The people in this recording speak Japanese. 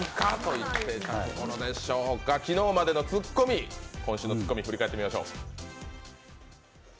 昨日までのツッコミ今週のツッコミ振り返ってみましょう。